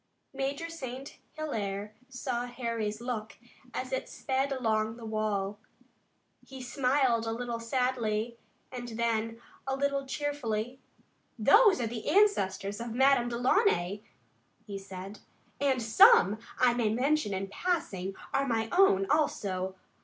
Major St. Hilaire saw Harry's look as it sped along the wall. He smiled a little sadly and then, a little cheerfully: "Those are the ancestors of Madame Delaunay," he said, "and some, I may mention in passing, are my own, also.